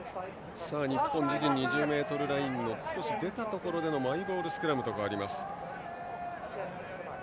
日本、自陣２２ｍラインを少し出たところでのマイボールスクラムと変わります。